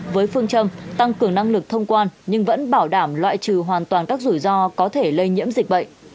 với phương châm tăng cường năng lực thông quan nhưng vẫn bảo đảm loại trừ hoàn toàn các rủi ro có thể lây nhiễm dịch bệnh